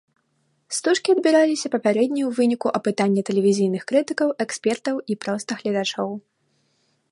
Стужкі адбіраліся папярэдне ў выніку апытання тэлевізійных крытыкаў, экспертаў і проста гледачоў.